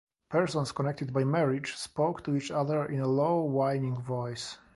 Persons connected by marriage spoke to each other in a low whining voice.